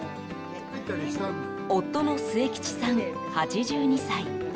夫の末吉さん、８２歳。